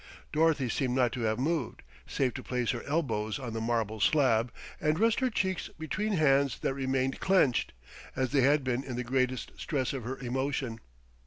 Dorothy seemed not to have moved, save to place her elbows on the marble slab, and rest her cheeks between hands that remained clenched, as they had been in the greatest stress of her emotion.